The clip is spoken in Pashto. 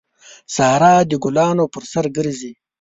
سارا د ګلانو پر سر ګرځي.